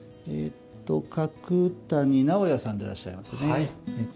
角谷直也さんでいらっしゃいますね。